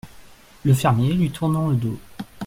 Le fermier , lui tournant le dos.